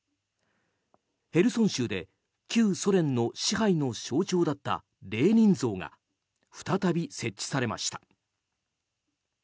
ヘルソン州で旧ソ連の支配の象徴だったレーニン像が再び設置されました。